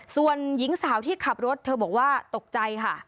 ส่วนหญิงสาวที่ขับรถเธอบอกว่าตกใจค่ะ